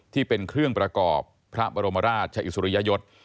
ที่เป็นเครื่องประกอบพระบรมราชอิสริยยศ